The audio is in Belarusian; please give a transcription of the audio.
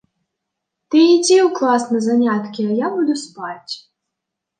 Ты ідзі ў клас на заняткі, а я буду спаць.